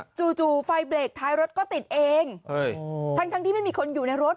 จู่จู่ไฟเบรกท้ายรถก็ติดเองทั้งที่ไม่มีคนอยู่ในรถ